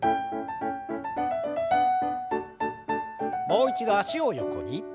もう一度脚を横に。